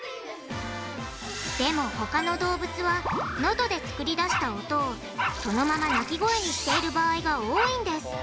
でもほかの動物はノドで作り出した音をそのまま鳴き声にしている場合が多いんです。